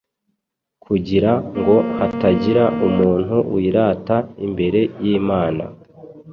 kugira ngo hatagira umuntu wirata imbere y’Imana.”